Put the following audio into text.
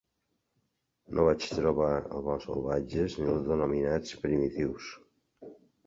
No vaig trobar els "bons salvatges" ni els denominats "primitius".